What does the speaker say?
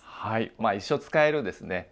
はい一生使えるですね